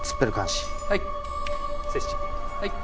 はい。